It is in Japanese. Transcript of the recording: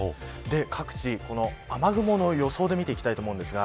各地、雨雲の予想を見ていきたいと思います。